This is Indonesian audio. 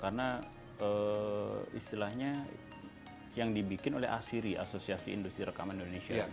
karena istilahnya yang dibikin oleh asiri asosiasi industri republik indonesia